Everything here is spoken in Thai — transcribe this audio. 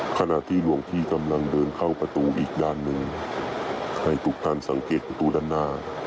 ขณะที่หลวงพี่กำลังเดินเข้าประตูอีกด้านหนึ่งให้ทุกท่านสังเกตประตูด้านหน้า